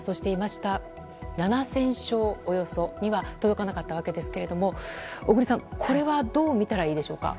およそ７０００床には届かなかったわけですが小栗さん、これはどう見たらいいでしょうか？